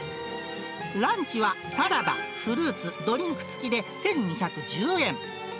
ランチはサラダ、フルーツ、ドリンク付きで１２１０円。